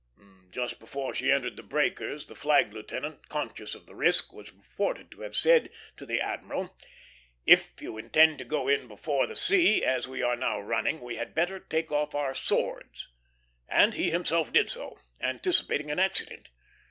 Just before she entered the breakers, the flag lieutenant, conscious of the risk, was reported to have said to the admiral, "If you intend to go in before the sea, as we are now running, we had better take off our swords;" and he himself did so, anticipating an accident.